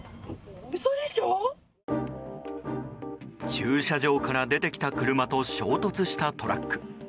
駐車場から出てきた車と衝突したトラック。